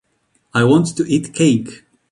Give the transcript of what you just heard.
I want to eat cake.